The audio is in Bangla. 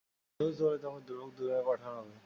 সে বুঝতে পারলে তোমাকে দুর্ভাগ্যের দুনিয়ায় পাঠানো হবে!